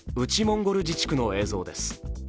モンゴル自治区の映像です。